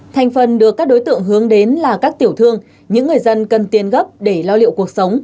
thành phần được các đối tượng hướng đến là các tiểu thương những người dân cần tiền gấp để lo liệu cuộc sống